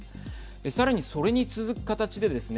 さらにそれに続く形でですね